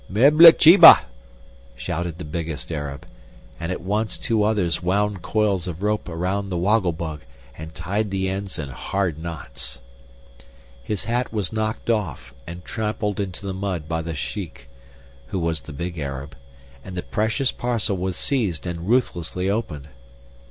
"Meb la che bah!" shouted the biggest Arab, and at once two others wound coils of rope around the Woggle Bug and tied the ends in hard knots. His hat was knocked off and trampled into the mud by the Shiek (who was the big Arab), and the precious parcel was seized and ruthlessly opened.